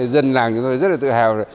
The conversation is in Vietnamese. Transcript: dân làng chúng tôi rất là tự hào